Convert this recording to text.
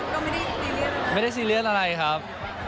ก็ไม่ได้ซีเรียสนะครับ